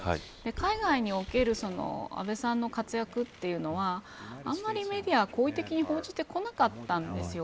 海外における安倍さんの活躍というのはあまりメディアは好意的に報じてこなかったんですよ。